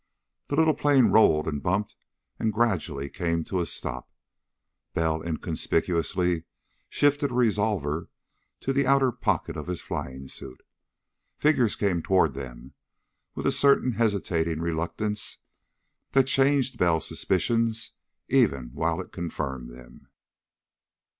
The little plane rolled and bumped, and gradually came to a stop. Bell inconspicuously shifted a revolver to the outer pocket of his flying suit. Figures came toward them, with a certain hesitating reluctance that changed Bell's suspicions even while it confirmed them.